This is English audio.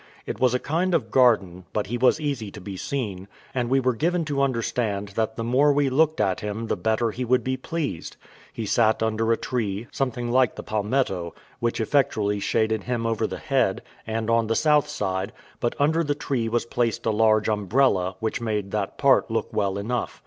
It was a kind of garden, but he was easy to be seen; and we were given to understand that the more we looked at him the better he would be pleased. He sat under a tree, something like the palmetto, which effectually shaded him over the head, and on the south side; but under the tree was placed a large umbrella, which made that part look well enough.